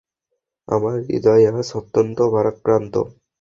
আমার হৃদয় আজ অতন্ত্য ভারাক্রান্ত।